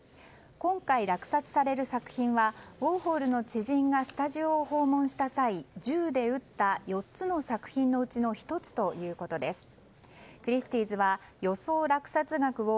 今回落札される作品はウォーホルの知人がスタジオを訪問した際銃で撃った４つの作品のうちの１つということです。